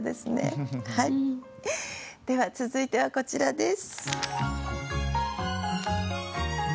では続いてはこちらです。